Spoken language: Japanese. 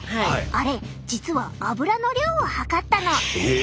あれ実はアブラの量を測ったの。え！？